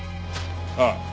ああ。